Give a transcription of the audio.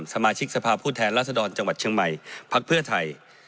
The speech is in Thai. สมาชิกสภาพผู้แทนรัศดรจังหวัดเชียงใหม่พักเพื่อไทย